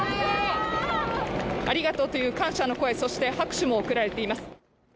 ありがとうという感謝の声、そして拍手も送られています。